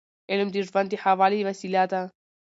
علم د ژوند د ښه والي وسیله ده.